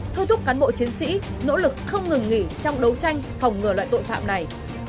thu thúc cán bộ chiến sĩ nỗ lực không ngừng nghỉ trong đấu tranh phòng ngừa loại tội phạm này